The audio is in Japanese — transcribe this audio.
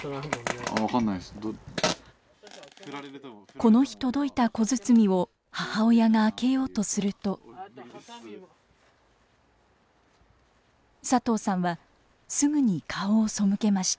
この日届いた小包を母親が開けようとすると佐藤さんはすぐに顔を背けました。